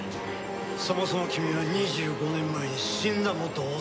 そもそも君は２５年前に死んだも同然。